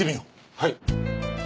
はい。